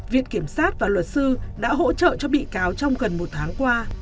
viện kiểm sát và luật sư đã hỗ trợ cho bị cáo trong gần một tháng qua